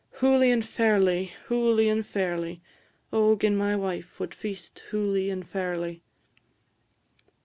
Hooly and fairly, hooly and fairly; O gin my wife wad feast hooly and fairly!